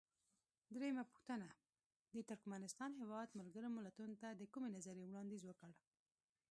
درېمه پوښتنه: د ترکمنستان هیواد ملګرو ملتونو ته د کومې نظریې وړاندیز وکړ؟